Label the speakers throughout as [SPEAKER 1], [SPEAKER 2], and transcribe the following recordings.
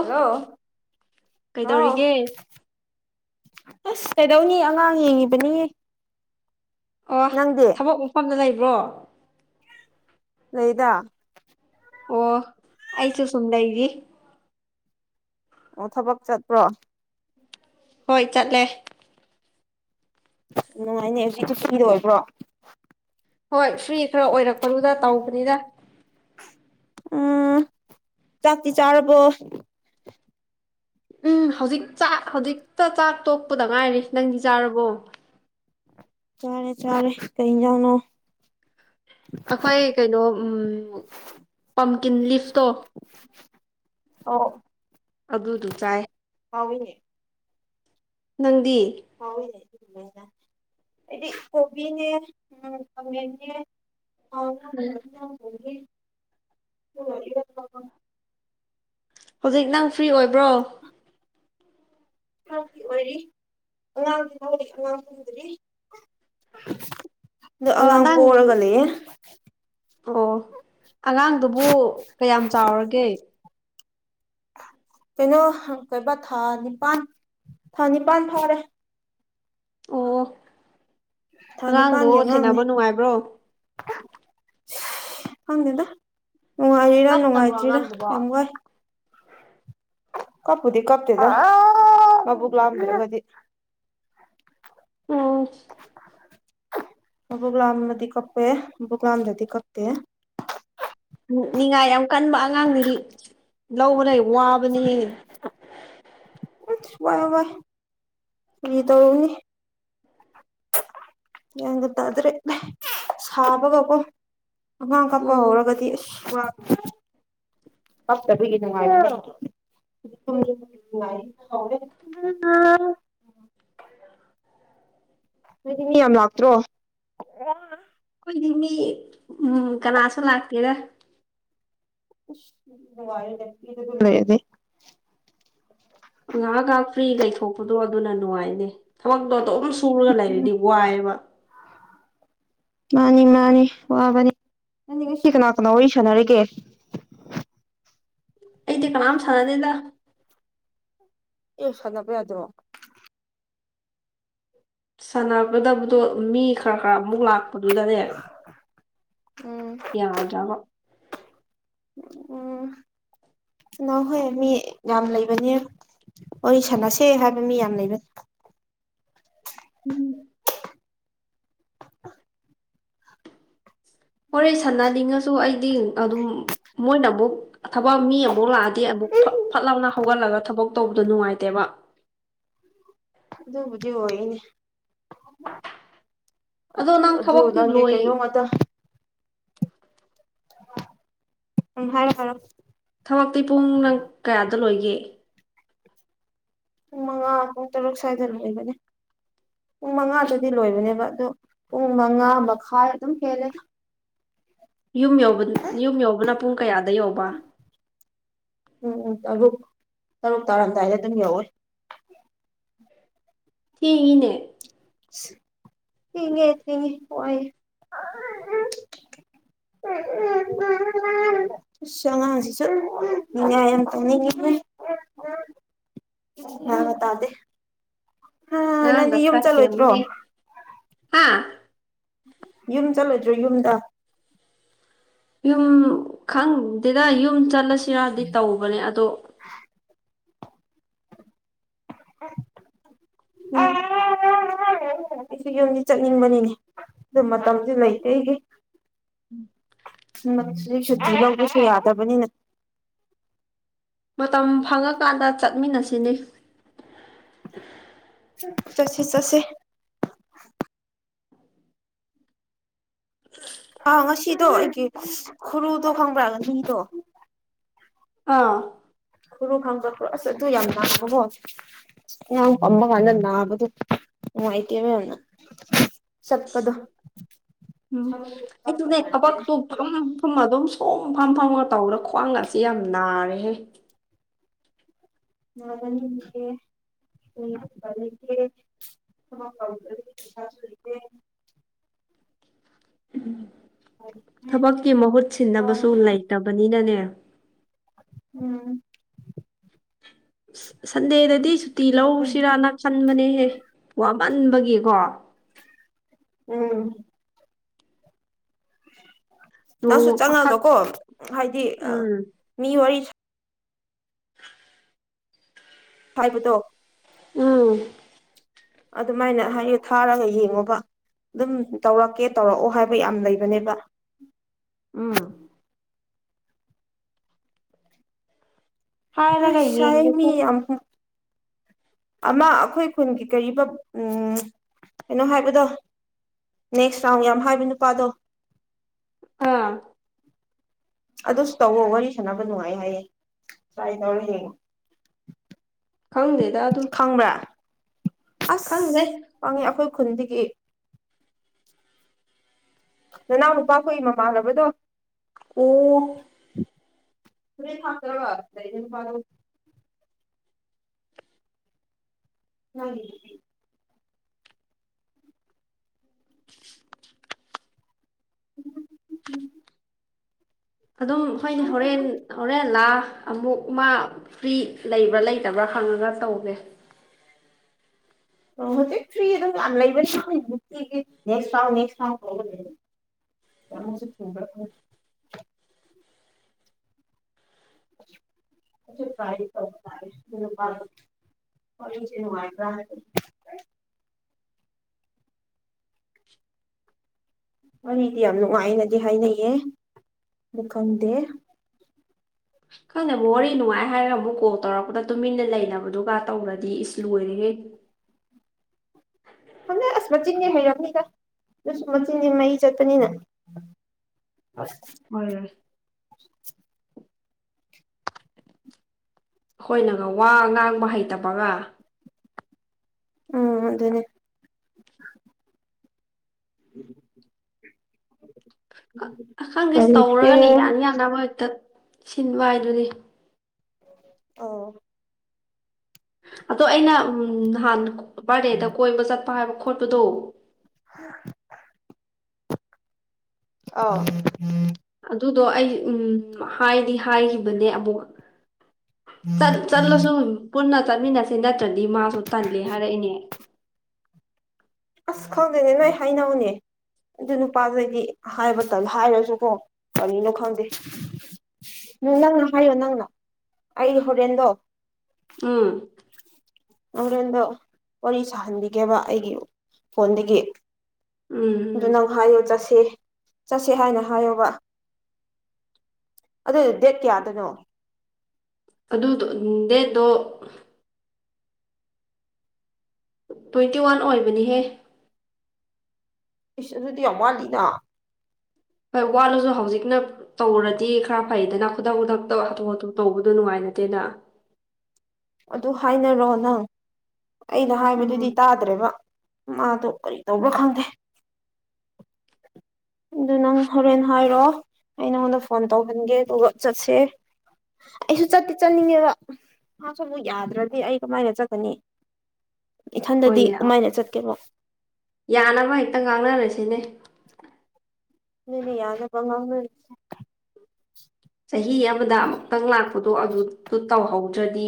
[SPEAKER 1] hello ꯍꯥꯎ
[SPEAKER 2] ꯀꯩꯗꯧꯔꯤꯒꯦ
[SPEAKER 1] ꯑꯁ ꯀꯩꯗꯧꯅꯤ ꯑꯉꯥꯡ ꯌꯦꯡꯉꯤꯕꯅꯤꯌꯦ
[SPEAKER 2] ꯑꯣ ꯊꯕꯛ ꯃꯐꯝꯗ ꯂꯩꯕ꯭ꯔꯣ
[SPEAKER 1] ꯂꯩꯗꯥ
[SPEAKER 2] ꯑꯣ ꯑꯁꯨ ꯁꯗꯏꯗꯤ
[SPEAKER 1] ꯑꯣ ꯊꯕꯛ ꯆꯠꯄ꯭ꯔꯣ
[SPEAKER 2] ꯍꯣꯏ ꯆꯠꯂꯦ
[SPEAKER 1] ꯌꯥꯝ ꯅꯨꯡꯉꯥꯏꯅꯦ ꯍꯧꯖꯤꯛ ꯀꯨꯁꯤꯗ ꯑꯣꯏꯕ꯭ꯔꯣ
[SPEAKER 2] ꯍꯣꯏ ꯐ꯭ꯔꯤ ꯈꯔ ꯑꯣꯏꯔꯛꯄꯅꯨꯗ ꯇꯧꯕꯅꯤꯗ
[SPEAKER 1] ꯎꯝ ꯆꯥꯛꯤ ꯆꯥꯔꯔꯕꯣ
[SPEAKER 2] ꯎꯝ ꯍꯧꯖꯤꯛ ꯆꯥꯛ ꯍꯧꯖꯤꯛꯇ ꯆꯥꯛ ꯇꯣꯛꯄꯗ ꯉꯥꯏꯔꯤ ꯅꯪꯗꯤ ꯆꯥꯔꯕꯣ
[SPEAKER 1] ꯆꯥꯔꯦ ꯆꯥꯔꯦ ꯀꯩ ꯌꯥꯅꯣ
[SPEAKER 2] ꯑꯩꯈꯣꯏ ꯀꯩꯅꯣ ꯄꯝꯀꯤꯟ ꯂꯤꯐꯇꯣ
[SPEAKER 1] ꯑꯣ
[SPEAKER 2] ꯑꯗꯨꯗꯨ ꯆꯥꯏ
[SPEAKER 1] ꯐꯋꯦ
[SPEAKER 2] ꯅꯪꯗꯤ
[SPEAKER 1] ꯍꯥꯎꯅꯦꯦ ꯃꯥꯏꯅ ꯑꯩꯗꯤ ꯀꯣꯕꯤꯅꯦ ꯎꯝ ꯄꯅꯦ
[SPEAKER 2] ꯎꯝ
[SPEAKER 1] ꯎ ꯏ
[SPEAKER 2] ꯍꯧꯖꯤꯛ ꯅꯪ ꯐ꯭ꯔꯤ ꯑꯣꯏꯕ꯭ꯔꯣ
[SPEAKER 1] ꯀ ꯑꯣꯏꯔꯤ ꯉꯉꯥꯡ ꯑꯉꯥꯡꯔꯤ ꯑꯗꯣ
[SPEAKER 2] ꯑ
[SPEAKER 1] ꯑꯉꯥꯡ
[SPEAKER 2] ꯅꯪ
[SPEAKER 1] ꯄꯔꯒ ꯂꯩꯌꯦ
[SPEAKER 2] ꯑꯣ ꯑꯉꯥꯡꯗꯨꯕꯨ ꯀꯌꯥꯝ ꯆꯥꯎꯔꯒꯦ
[SPEAKER 1] ꯀꯩꯅꯣ ꯀꯩꯕꯥ ꯊꯥ ꯅꯤꯄꯜ ꯊꯥ ꯅꯤꯄꯜ ꯐꯥꯎꯔꯦ
[SPEAKER 2] ꯑꯣ
[SPEAKER 1] ꯊꯥ
[SPEAKER 2] ꯑꯉꯥꯡꯗꯣ
[SPEAKER 1] ꯅꯤꯄꯥꯟꯒꯤ ꯑꯉꯥꯡꯅꯦ
[SPEAKER 2] ꯁꯦꯟꯅꯕ ꯅꯨꯡꯉꯥꯏꯕ꯭ꯔꯣ
[SPEAKER 1] ꯈꯪꯗꯦꯗ ꯅꯨꯡꯉꯥꯏꯔꯤꯔꯥ
[SPEAKER 2] ꯇꯞꯇꯕ꯭ꯔꯣ
[SPEAKER 1] ꯅꯨꯡꯉꯥꯏꯇ꯭ꯔꯤꯔꯥ
[SPEAKER 2] ꯑꯉꯥꯡꯗꯨꯕꯣ
[SPEAKER 1] ꯌꯥꯝ ꯋꯥꯏ ꯀꯄꯗꯤ ꯀꯞ ꯊꯗ ꯃꯕꯨꯒ ꯂꯗꯔꯒꯗꯤ
[SPEAKER 2] ꯑꯝ
[SPEAKER 1] ꯕꯨꯒꯂꯥꯝꯅꯗꯤ ꯀꯛꯄꯦ ꯕꯨꯕꯨꯒꯂꯥꯝꯗꯗꯤ ꯀꯞꯄꯦ
[SPEAKER 2] ꯅꯤꯉꯥꯏ ꯌꯥꯝ ꯀꯟꯕ ꯑꯉꯥꯡꯗꯤ ꯂꯧꯕꯅꯦ ꯋꯥꯕ ꯕꯅꯤ
[SPEAKER 1] ꯏ ꯏ ꯐꯔꯤ ꯇꯧꯔꯅꯤ ꯌꯦ ꯇ ꯑꯗꯨ꯭ꯔꯦ ꯁꯥꯥꯕꯒꯄꯝ ꯑꯉꯥꯡ ꯀꯥꯞꯄ
[SPEAKER 2] ꯎꯝ
[SPEAKER 1] ꯍꯧꯔꯒꯗꯤ ꯑꯁ ꯄ [inaudible] ꯃꯤ ꯌꯥꯝ ꯂꯥꯛꯇ꯭ꯔꯣ
[SPEAKER 2] ꯑꯩꯈꯣꯏꯗꯤ ꯃꯤ ꯎꯝ ꯀꯅꯥꯁꯨ ꯂꯥꯛꯀꯦꯗ
[SPEAKER 1] [inaudible]
[SPEAKER 2] ꯉꯍꯥꯛ ꯉꯍꯥꯛ ꯐ꯭ꯔꯤ ꯂꯩꯊꯣꯛꯄꯗꯣ ꯑꯗꯨꯅ ꯅꯨꯡꯉꯥꯏꯅꯦꯦ ꯊꯕꯛꯇꯣ ꯑꯗꯨꯝ ꯁꯨꯔꯒ ꯂꯩꯔꯗꯤ ꯋꯥꯏꯑꯦꯕ
[SPEAKER 1] ꯃꯥꯅꯤ ꯃꯥꯅꯤ ꯋꯥꯕꯅꯤ ꯅ ꯉꯁꯤ ꯀꯅꯥ ꯀꯅꯥ ꯋꯥꯔꯤ ꯁꯥꯟꯅꯔꯒꯦ
[SPEAKER 2] ꯑꯩꯗꯤ ꯀꯅꯥꯝ ꯁꯥꯟꯅꯗꯦꯗ
[SPEAKER 1] ꯑꯦ ꯁꯗ ꯄꯤ ꯌꯥꯖꯃ
[SPEAKER 2] ꯁꯥꯟꯅꯒꯗꯕꯗꯣ ꯃꯤ ꯈꯔ ꯈꯔ ꯑꯃꯨꯛ ꯂꯥꯛꯄꯗꯨꯗꯅꯦ
[SPEAKER 1] ꯎꯝ
[SPEAKER 2] ꯌꯥꯗ꯭ꯔꯕꯣ
[SPEAKER 1] ꯎꯝ ꯅꯅꯥꯍꯎ ꯍꯣꯏ ꯃꯤ ꯌꯥꯝ ꯂꯩꯕꯅꯦ ꯍ ꯁꯥꯟꯅꯁꯦ ꯍꯥꯏꯕ ꯃꯤ ꯌꯥꯝ ꯂꯩꯕ
[SPEAKER 2] ꯎꯝ ꯍꯣꯔꯦ ꯁꯥꯟꯅꯅꯤꯡꯉꯁꯨ ꯑꯩꯗꯤ ꯑꯗꯨꯝ ꯃꯣꯏꯅ ꯑꯃꯨꯛ ꯊꯕꯛ ꯃꯤ ꯑꯃꯨꯛ ꯂꯥꯛꯑꯗꯤ ꯑꯃꯨꯛ ꯐ ꯐꯠ ꯂꯥꯎꯅ ꯍꯧꯒꯠꯂꯒ ꯊꯕꯛ ꯇꯧꯕꯗꯣ ꯅꯨꯡꯉꯥꯏꯇꯦꯕ
[SPEAKER 1] ꯑꯗꯨꯕꯨꯗꯤ ꯑꯣꯏꯅꯦ
[SPEAKER 2] ꯑꯗꯣ ꯅꯪ
[SPEAKER 1] ꯑꯗꯨ
[SPEAKER 2] ꯊꯕꯛꯇꯤ
[SPEAKER 1] ꯅꯪꯗꯤ
[SPEAKER 2] ꯂꯣꯏ
[SPEAKER 1] ꯀꯩꯅꯣꯝꯃꯇ ꯎ ꯍꯔꯣ ꯍꯔꯣ
[SPEAKER 2] ꯇ ꯂꯣꯏꯒꯦ
[SPEAKER 1] ꯄꯨꯡ ꯃꯉꯥ ꯄꯨꯡ ꯇꯔꯨꯛ ꯁ꯭ꯋꯥꯏꯗ ꯂꯩꯕꯅꯤ ꯄꯨꯡ ꯃꯉꯥꯗꯨꯗꯤ ꯂꯣꯏꯕꯅꯦꯕ ꯑꯣ ꯄꯨꯡ ꯃꯉꯥ ꯃꯈꯥꯏ ꯑꯗꯨꯝ ꯍꯦꯜꯂꯦ
[SPEAKER 2] ꯌꯨꯝ ꯌ ꯌꯨꯝ ꯌꯧꯕꯅ ꯄꯨꯡ ꯀꯌꯥꯗ ꯌꯧꯕ
[SPEAKER 1] ꯎꯝ ꯎ ꯇꯔꯨꯛ ꯇꯔꯨꯛ ꯇꯥꯔꯝꯗꯥꯏꯗ ꯑꯗꯨꯝ ꯌꯧꯔ
[SPEAKER 2] ꯊꯦꯡꯉꯅꯦ
[SPEAKER 1] ꯊꯉꯦ ꯊꯤꯉꯦꯦ ꯆꯉꯁꯤ ꯆ ꯅ ꯑꯃꯇꯅꯤ ꯂ ꯇꯥꯗꯦ ꯍꯥ
[SPEAKER 2] ꯑ
[SPEAKER 1] ꯅꯪꯗꯤ ꯌꯨꯝ
[SPEAKER 2] ꯗꯀ꯭ꯔꯥ
[SPEAKER 1] ꯆꯠꯂꯣꯏꯗ꯭ꯔꯣ
[SPEAKER 2] ꯊꯒꯦ ꯍꯥ
[SPEAKER 1] ꯌꯨꯝ ꯆꯠꯂꯣꯏꯗ꯭ꯔꯣ ꯌꯨꯝꯗ
[SPEAKER 2] ꯌꯨꯝ ꯈꯪꯗꯦꯗ ꯌꯨꯝ ꯆꯠꯂꯁꯤꯔꯗꯤ ꯇꯧꯕꯅꯦ ꯑꯗꯣ
[SPEAKER 1] ꯎ ꯑꯩꯁꯨ ꯌꯨꯝꯁꯤ ꯆꯠꯅꯤꯡꯕꯅꯤꯅꯦ ꯑꯗꯨ ꯃꯇꯝꯁꯨ ꯂꯩꯇꯦ ꯑꯩꯒꯤ ꯃꯁꯤ ꯁꯨꯇꯤ ꯂꯧꯕꯁꯨ ꯌꯥꯗꯕꯅꯤꯅ
[SPEAKER 2] ꯃꯇꯝ ꯐꯪꯉꯀꯥꯟꯗ ꯆꯠꯃꯤꯟꯅꯁꯤꯅꯤ
[SPEAKER 1] ꯆꯠꯁꯤꯦ ꯆꯠꯁꯤꯦ ꯑꯥ ꯉꯁꯤꯗꯣ ꯑꯩꯒꯤ ꯈꯨꯔꯨꯗꯣ ꯈꯪꯕ꯭ꯔꯥꯒ ꯨꯝꯗꯣ
[SPEAKER 2] ꯑꯥ
[SPEAKER 1] ꯈꯨꯔꯨ ꯈꯥꯡꯗ ꯑꯁ ꯑꯗꯨ ꯌꯥꯝ ꯃꯥꯡꯉꯕꯣ ꯀꯃꯒꯥꯟꯅꯒꯗꯨꯥꯏꯇꯕꯅ
[SPEAKER 2] ꯎꯝ
[SPEAKER 1] ꯆꯠꯄ
[SPEAKER 2] ꯑꯩꯁꯨꯅꯦ
[SPEAKER 1] ꯀꯥꯟꯗꯗꯤ
[SPEAKER 2] ꯊꯕꯛꯇꯨ ꯐꯝ ꯐꯝ ꯑꯗꯨꯝ ꯁꯣꯝ ꯐꯝ ꯐꯝꯒ ꯇꯧꯔ ꯈ꯭ꯋꯥꯡ ꯉꯁꯤ ꯌꯥꯝ ꯅꯥꯔꯦꯍꯦ
[SPEAKER 1] ꯌꯥꯅꯤꯦ ꯎ ꯊ ꯀ
[SPEAKER 2] [inaudible] ꯊꯕꯛꯀꯤ ꯃꯍꯨꯠ ꯁꯤꯟꯅꯕꯁꯨ ꯂꯩꯇꯕꯅꯤꯅꯅꯦ
[SPEAKER 1] ꯎꯝ
[SPEAKER 2] ꯁꯟꯗꯦꯗꯗꯤ ꯁꯨꯇꯤ ꯂꯧꯁꯤꯔꯥꯅꯁꯟꯕꯅꯦꯍꯦ ꯋꯥ ꯄꯟꯕꯒꯤꯀꯣ
[SPEAKER 1] ꯎꯝ ꯅꯪꯁꯨ
[SPEAKER 2] ꯅꯣꯡꯃ
[SPEAKER 1] ꯆꯪꯉꯒ
[SPEAKER 2] ꯄꯥꯈꯛ
[SPEAKER 1] ꯀꯣ ꯍꯥꯏꯗꯤ
[SPEAKER 2] ꯎꯝ
[SPEAKER 1] ꯃꯤ ꯋꯥꯔꯤ
[SPEAKER 2] [unintelligible]
[SPEAKER 1] ꯍꯥꯏꯥꯏꯕꯗꯣ
[SPEAKER 2] ꯑꯝ
[SPEAKER 1] ꯑꯗꯨꯃꯥꯏꯅ ꯍꯥꯏꯌꯦ ꯊꯥꯔꯒ ꯌꯦꯡꯉꯣꯕ ꯑꯗꯨꯝ ꯇꯧꯔꯛꯀꯦ ꯇꯧꯔꯛꯑꯣ ꯍꯥꯏꯕ ꯌꯥꯝ ꯂꯩꯕꯅꯦꯕ
[SPEAKER 2] ꯎꯝ
[SPEAKER 1] ꯍꯥ
[SPEAKER 2] ꯍꯥꯏꯔꯒ
[SPEAKER 1] ꯁꯥꯏ ꯃꯤ
[SPEAKER 2] ꯌꯦꯡꯒꯦꯁꯦ
[SPEAKER 1] ꯌꯥꯝ ꯑꯃ ꯑꯩꯈꯣꯏ ꯈꯨꯟꯒꯤ ꯀꯔꯤꯕ ꯎ ꯀꯩꯅꯣ ꯍꯥꯏꯕꯗꯣ ꯅꯦꯛꯁ ꯔꯥꯎꯟ ꯌꯥꯝ ꯍꯥꯏꯕ ꯅꯨꯄꯥꯗꯣ
[SPEAKER 2] ꯑꯥ
[SPEAKER 1] ꯑꯗꯨꯁꯨ ꯇꯧꯋꯣ ꯋꯥꯔꯤ ꯁꯥꯟꯅꯕ ꯅꯨꯡꯉꯥꯏ ꯍꯥꯏꯌꯦ ꯇ꯭ꯔꯥꯏ ꯇꯧꯔ ꯍꯌꯦꯡꯉ
[SPEAKER 2] ꯈꯥꯎꯗꯦꯗ ꯑꯗꯨꯨ
[SPEAKER 1] ꯑꯁ ꯋꯥꯡꯉꯦ ꯑꯩꯈꯣꯏ ꯈꯨꯟꯗꯒꯤ ꯅꯅꯥꯎ ꯅꯨꯄꯥꯈꯏ ꯃꯃꯥꯟꯅꯕꯗꯣ
[SPEAKER 2] ꯎ
[SPEAKER 1] ꯊ ꯊꯀ꯭ꯔꯕ ꯐꯔ ꯎꯝ
[SPEAKER 2] [unintelligible]
[SPEAKER 1] ꯎ ꯎꯝ
[SPEAKER 2] ꯑꯗꯨꯝ ꯑꯩꯈꯣꯏꯅꯤ ꯍꯣꯔꯦꯟ ꯍꯣꯔꯦꯟ ꯂꯥ ꯑꯃꯨꯛ ꯃꯥ ꯐ꯭ꯔꯤ ꯂꯩꯕ꯭ꯔꯥ ꯂꯩꯇꯕ꯭ꯔꯥ ꯈꯪꯉꯒ ꯇꯧꯒꯦ
[SPEAKER 1] ꯑꯣ ꯍꯧꯖꯤꯛ ꯐ꯭ꯔꯤ ꯑꯗꯨꯝ ꯌꯥꯝ ꯂꯩꯕ ꯌꯥꯝꯁ ꯊꯕꯔ
[SPEAKER 2] [unintelligible]
[SPEAKER 1] ꯇꯥꯏ ꯇ ꯇꯥꯔ ꯑꯣꯁꯦ ꯋꯥꯔꯄ ꯋꯥꯔꯤꯗꯤ ꯌꯥꯝ ꯅꯨꯡꯉꯥꯏꯅꯗꯤ ꯍꯥꯏꯅꯩꯌꯦ ꯑꯗꯨ ꯈꯪꯗꯦ
[SPEAKER 2] ꯈꯪꯗꯕ ꯍꯣꯔ ꯅꯨꯡꯉꯥꯏ ꯍꯥꯏꯔꯒ ꯑꯃꯨꯛ ꯀꯣꯜ ꯇꯧꯔꯛꯄꯗ ꯇꯨꯃꯤꯟꯅ ꯂꯩꯅꯕꯗꯨꯒ ꯇꯧꯔꯗꯤ ꯏꯁ ꯂꯣꯏꯔꯦꯈꯦ [unintelligible]
[SPEAKER 1] ꯍꯅ ꯑꯁꯃꯆꯤꯟꯅꯦ ꯍꯥꯏꯔꯅꯤꯒ ꯑꯗꯨꯁꯨ ꯃꯆꯤꯟꯗꯤ ꯃꯩ ꯆꯠꯄꯅꯤꯅ
[SPEAKER 2] ꯍꯣꯏ
[SPEAKER 1] [unintelligible]
[SPEAKER 2] ꯑꯩꯈꯣꯏꯅꯒ ꯋꯥ ꯉꯥꯡꯕ ꯍꯩꯇꯕꯒ
[SPEAKER 1] ꯎꯝ ꯑꯗꯨꯅꯦ ꯎꯝ
[SPEAKER 2] ꯑꯈꯪꯗꯦꯁ ꯇꯧꯔꯒꯅꯤ ꯌꯥꯟ ꯌꯥꯅꯕ ꯍꯦꯛꯇ ꯁꯤꯟꯕ ꯍꯥꯏꯗꯨꯗꯤ
[SPEAKER 1] ꯑ
[SPEAKER 2] ꯑꯗꯣ ꯑꯩꯅ ꯅꯍꯥꯟ ꯕꯥꯔꯗꯦꯗ ꯀꯣꯏꯕ ꯆꯠꯄ ꯍꯥꯏꯕ ꯈꯣꯠꯄꯗꯣ
[SPEAKER 1] ꯍ ꯑꯝ
[SPEAKER 2] ꯑꯗꯨꯗꯣ ꯑꯩ ꯎꯝ ꯍꯥꯏꯗꯤ ꯍꯥꯏꯈꯤꯕꯅꯦ ꯑꯕ ꯆ ꯆꯜꯂ ꯁꯣ ꯄꯨꯟꯅ ꯆꯠꯃꯤꯟꯅꯁ ꯅꯠꯇ꯭ꯔꯗꯤ ꯃꯥꯁꯨ ꯇꯜꯂꯦ ꯍꯥꯏꯔꯛꯏꯅꯦ
[SPEAKER 1] ꯑꯁ ꯈꯪꯗꯦꯅꯦ ꯅꯣꯏ ꯍꯥꯏꯅꯧꯅꯦ ꯑꯗꯨ ꯅꯨꯄꯥꯗꯗꯤ ꯍꯥꯏꯕ ꯃꯇꯝ ꯍꯥꯏꯔꯁꯨꯀꯣ ꯀꯔꯤꯅꯣ ꯈꯪꯗꯦ ꯎꯝ ꯅꯪꯅ ꯍꯥꯏꯌꯣ ꯅꯪꯅ ꯑꯩ ꯍꯣꯔꯦꯟꯗꯣ
[SPEAKER 2] ꯎꯝ
[SPEAKER 1] ꯃꯣꯔꯦꯟꯗꯣ ꯋꯥꯔꯤ ꯁꯥꯍꯟꯕꯤꯒꯦꯕ ꯑꯩꯒꯤ ꯐꯣꯟꯗꯒꯤ
[SPEAKER 2] ꯎꯝ ꯎꯝ
[SPEAKER 1] ꯅꯘꯔ ꯆꯁꯤꯦ ꯆꯠꯁꯦ ꯍꯥꯏꯅ ꯍꯥꯏꯌꯣꯕ ꯑꯗꯨꯗꯤ ꯗꯦꯠ ꯀꯌꯥꯗꯅꯣ
[SPEAKER 2] ꯑꯗꯨꯗꯣ ꯗꯦꯠꯇꯣ ꯇ꯭ꯋꯦꯟꯇꯤ ꯋꯥꯟ ꯑꯣꯏꯕꯅꯤꯍꯦ
[SPEAKER 1] ꯏꯁꯁ ꯑꯗꯨꯗꯤ ꯌꯥꯝ ꯋꯥꯠꯂꯤꯅ
[SPEAKER 2] ꯍꯣꯏ ꯋꯥꯠꯂꯨꯁꯨ ꯍꯧꯖꯤꯛꯅ ꯇꯧꯔꯗꯤ ꯈꯔ ꯐꯩꯗꯅ ꯈꯨꯗꯛ ꯈꯨꯊꯛꯇ ꯍꯥꯊꯨ ꯍꯥꯊꯨ ꯇꯧꯕꯗꯣ ꯅꯨꯡꯉꯥꯏꯅ ꯅꯠꯇꯦꯗ
[SPEAKER 1] ꯑꯗꯨ ꯍꯥꯏꯅꯔꯣ ꯅꯪ ꯑꯩꯅ
[SPEAKER 2] ꯎꯝ
[SPEAKER 1] ꯍꯥꯏꯕꯗꯨꯗꯤ ꯇꯥꯗ꯭ꯔꯦꯕ ꯃꯥ ꯇ ꯀꯔꯤ ꯇꯕ ꯈꯪꯗ ꯑꯗꯨ ꯅꯪ ꯍꯣꯔꯦꯟ ꯍꯥꯏꯔꯣ ꯑꯩ ꯅꯉꯣꯟꯗ ꯐꯣꯟ ꯇꯧꯍꯟꯒꯦ ꯑꯗꯨꯒ ꯆꯠꯁꯦ ꯑꯩꯁꯨ ꯆꯠꯇꯤ ꯆꯠꯅꯤꯡꯉꯦꯕ ꯃꯥꯁꯨ ꯑꯃꯨꯛ ꯌꯥꯗ꯭ꯔꯗꯤ ꯑꯩ ꯀꯃꯥꯏꯅ ꯆꯠꯀꯅꯤ
[SPEAKER 2] [inaudible]
[SPEAKER 1] ꯏꯊꯟꯗꯗꯤ
[SPEAKER 2] ꯍꯣꯏꯅꯦ
[SPEAKER 1] ꯀꯃꯥꯏꯅ ꯆꯠꯀꯦꯕ
[SPEAKER 2] ꯌꯥꯅꯕ ꯍꯦꯛꯇ ꯉꯥꯡꯅꯔꯁꯤꯅꯦ
[SPEAKER 1] ꯃꯅꯦ ꯌꯥꯗ ꯄꯉ
[SPEAKER 2] ꯆꯍꯤ ꯑꯃꯗ ꯑꯃꯨꯛꯇꯪ ꯂꯥꯛꯄꯗꯣ ꯑꯗꯨꯗꯣ ꯇꯧꯍꯧꯗ꯭ꯔꯗꯤ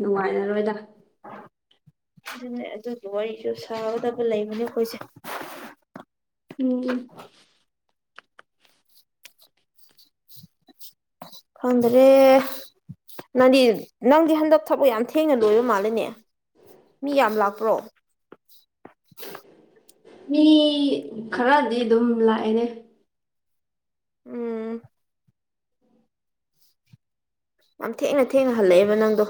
[SPEAKER 2] ꯅꯨꯡꯉꯥꯏꯔꯔꯣꯏꯗ
[SPEAKER 1] ꯑꯗꯨꯅꯦ ꯑꯗꯨꯕꯨ ꯋꯥꯔꯤꯁꯨ ꯁꯥꯒꯗꯕ ꯂꯩꯕꯅꯦ ꯑꯩꯈꯣꯏꯁꯦ
[SPEAKER 2] ꯎꯝ
[SPEAKER 1] ꯈꯗ꯭ꯔꯦ ꯅꯪꯗꯤ ꯅꯪꯗꯤ ꯍꯟꯗꯛ ꯊꯕꯛ ꯌꯥꯝ ꯊꯦꯡꯅ ꯂꯣꯏꯕ ꯃꯥꯜꯂꯅꯦ ꯃꯤ ꯌꯥꯝ ꯂꯥꯛꯄ꯭ꯔꯣ
[SPEAKER 2] ꯃꯤ ꯈꯔꯗꯤ ꯑꯗꯨꯝ ꯂꯥꯛꯑꯅꯦ
[SPEAKER 1] ꯎꯝ ꯌꯥꯝ ꯊꯦꯡꯅ ꯊꯦꯡꯅ ꯍꯜꯂꯛꯑꯦꯕ ꯅꯪꯗꯣ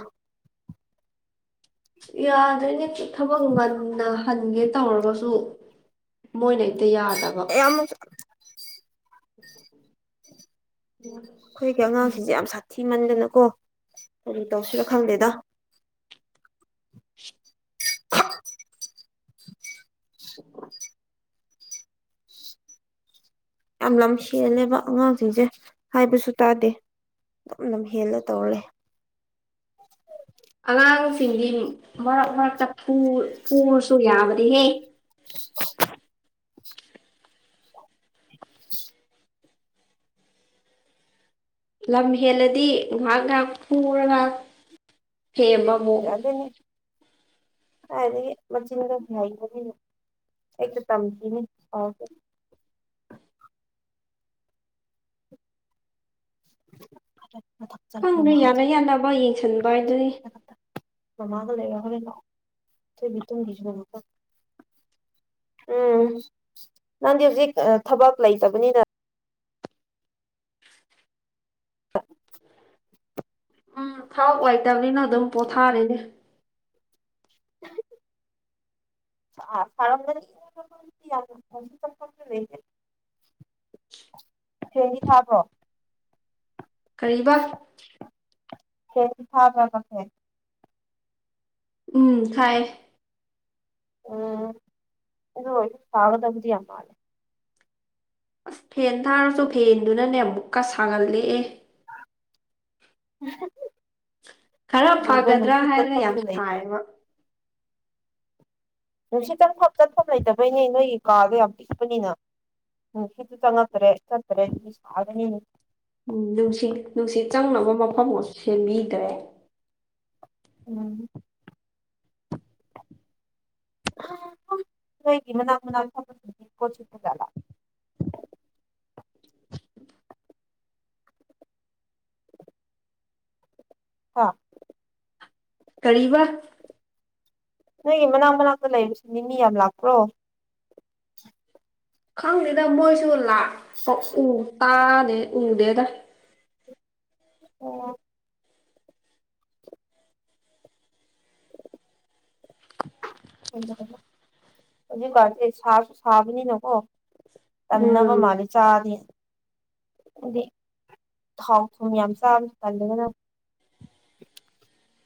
[SPEAKER 2] ꯌꯥꯗ꯭ꯔꯣꯏꯅꯦ ꯊꯕꯛ ꯉꯟꯅ ꯍꯟꯒꯦ ꯇꯧꯔꯒꯁꯨ ꯃꯣꯏꯅ ꯑꯝꯇ ꯌꯥꯗꯕ
[SPEAKER 1] ꯌꯥꯝ
[SPEAKER 2] ꯎ
[SPEAKER 1] ꯑꯩꯈꯣꯏꯒꯤ ꯑꯉꯥꯡꯁꯤꯡꯁꯦ ꯌꯥꯝ ꯁꯥꯊꯤ ꯃꯟꯗꯅꯀꯣ ꯀꯔꯤ ꯇꯧꯁꯤꯅ ꯈꯪꯗꯦꯗ ꯌꯥꯝ ꯂꯝ ꯁꯦꯜꯂꯦꯕ ꯑꯉꯥꯡꯁꯤꯡꯁꯦ ꯍꯥꯏꯕꯁꯨ ꯇꯥꯗꯦ ꯑꯗꯨꯝ ꯂꯝꯝ ꯍꯦꯟꯅ ꯇꯧꯔꯦ
[SPEAKER 2] ꯑꯉꯥꯡꯁꯤꯡꯗꯤ ꯃꯔꯛ ꯃꯔꯛꯇ ꯄꯨꯔꯁꯨ ꯌꯥꯕꯗꯤ ꯍꯦ ꯂꯝ ꯍꯦꯜꯂꯗꯤ ꯉꯥꯏꯍꯥꯛ ꯉꯥꯏꯍꯥꯛ ꯐꯨꯔꯒ ꯍꯦꯃꯕꯨꯨ
[SPEAKER 1] ꯍꯥꯏꯗꯤ ꯃꯆꯦꯅ ꯀ ꯐꯏ ꯑꯩ ꯇꯝꯈꯤꯅꯤ ꯑ ꯐ
[SPEAKER 2] [inaudible]
[SPEAKER 1] [inaudible]
[SPEAKER 2] ꯈꯪꯅꯨ
[SPEAKER 1] ꯃꯃꯥꯒ
[SPEAKER 2] ꯌꯥꯅ ꯌꯥꯅꯕ ꯌꯦꯡꯁꯟꯕ
[SPEAKER 1] ꯆꯠꯂꯨ
[SPEAKER 2] ꯍꯥꯏꯗꯨꯅꯤ
[SPEAKER 1] ꯃꯊꯛꯇ ꯃꯃꯥꯒ ꯂꯩꯔ ꯍꯔꯦꯟ ꯂꯥꯛꯑꯣ ꯑꯩꯣꯏꯕꯤ ꯇꯨꯡꯒꯤꯁꯨ ꯃꯃꯥ ꯎꯝ ꯅꯪꯗꯤ ꯍꯧꯖꯤꯛ ꯊꯕꯛ ꯂꯩꯇꯕꯅꯤꯅ
[SPEAKER 2] ꯊꯥꯎ ꯑꯣꯏꯇꯕꯅꯤꯅ ꯑꯗꯨꯝ ꯄꯣꯊꯥꯔꯤꯅꯦ [unintelligible]
[SPEAKER 1] ꯑ ꯐꯔ ꯄ ꯔꯦ ꯆꯦꯅꯤ ꯊꯥꯕ꯭ꯔꯣ
[SPEAKER 2] ꯀꯔꯤꯕ
[SPEAKER 1] ꯑꯦꯁꯤꯤꯁꯕ ꯔꯀꯛ ꯍꯥꯏ
[SPEAKER 2] ꯎꯝ ꯍꯥꯏꯥꯏ
[SPEAKER 1] ꯎꯝ ꯑꯗꯨ ꯑꯣꯏ ꯀꯥꯒꯗꯕꯨꯗꯤ ꯑꯃ ꯂꯩꯦ
[SPEAKER 2] ꯑꯁ ꯐꯦꯟ ꯊꯥꯔꯁꯨ ꯐꯦꯟꯗꯨꯅꯅꯦ ꯑꯃꯨꯛꯀ ꯁꯥꯡꯍꯜꯂꯛꯑꯦ ꯈꯔ
[SPEAKER 1] ꯁꯤꯗ
[SPEAKER 2] ꯐꯒꯗ꯭ꯔꯥ
[SPEAKER 1] ꯅꯨꯡꯁꯤꯠ
[SPEAKER 2] ꯍꯥꯏꯅ ꯌꯥꯝ
[SPEAKER 1] ꯆꯠꯐꯝꯁꯨ ꯂꯩꯇꯦ
[SPEAKER 2] ꯇꯥꯏꯌꯦꯕ
[SPEAKER 1] ꯅꯨꯡꯁꯤꯠ ꯆꯪꯐꯝ ꯆꯠꯐꯝ ꯂꯩꯇꯕꯩꯅꯦ ꯅꯣꯏꯒꯤ ꯀꯥꯗꯣ ꯌꯥꯝ ꯄꯤꯛꯄꯅꯤꯅ ꯅꯨꯡꯁꯤꯠꯇ ꯆꯪꯉꯄ ꯐ꯭ꯔꯦꯁ ꯇꯔꯦ ꯁꯥꯅꯦ
[SPEAKER 2] ꯎꯝ ꯅꯨꯡꯁꯤꯠ ꯅꯨꯡꯁꯤꯠ ꯆꯪꯅꯕ ꯃꯐꯝ ꯑꯃ ꯁꯦꯝꯕꯤꯗ꯭ꯔꯦ
[SPEAKER 1] ꯎꯝ ꯅꯣꯏꯒꯤ ꯃꯅꯥꯛ ꯃꯅꯥꯛ ꯊꯗꯤ ꯀꯣꯖꯂ
[SPEAKER 2] [inaudible]
[SPEAKER 1] ꯍꯥꯥ
[SPEAKER 2] ꯀꯔꯤꯕ
[SPEAKER 1] ꯅꯣꯏꯒꯤ ꯃꯅꯥꯛ ꯃꯅꯥꯛꯇ ꯂꯩꯕꯁꯤ ꯃꯤ ꯃꯤ ꯌꯥꯝ ꯂꯥꯛꯄ꯭ꯔꯣ
[SPEAKER 2] ꯈꯪꯗꯦꯗ ꯃꯣꯏꯁꯨ ꯂꯥꯛꯎ ꯇꯥꯅꯤ ꯎꯗꯦꯗ
[SPEAKER 1] ꯑꯣ ꯎꯝ ꯑꯗꯨꯖꯤꯀꯗꯤ ꯁꯥꯕꯅꯤꯅꯀꯣ ꯇꯟꯅꯕ
[SPEAKER 2] ꯎꯝ
[SPEAKER 1] ꯃꯅꯤ ꯆꯥꯗꯤ ꯑꯗꯤ ꯊꯥꯎ ꯊꯨꯝ ꯌꯥꯝ ꯆꯥ ꯇꯜꯂꯒꯅ
[SPEAKER 2] [inaudible]